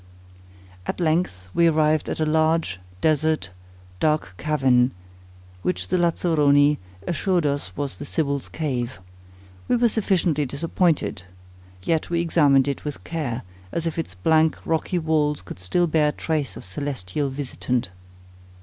At length we arrived at a large, desert, dark cavern, which the Lazzeroni assured us was the Sibyl's Cave. We were sufficiently disappointed—Yet we examined it with care, as if its blank, rocky walls could still bear trace of celestial visitant.